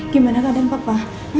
gimana keadaan papa